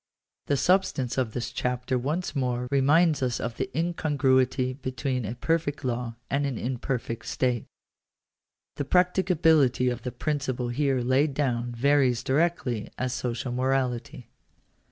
§ 7. The substance of this chapter once more reminds us of the, incongruity between a perfect law and an imperfect state. The \ practicability of the principle here laid down varies directly as > social morality.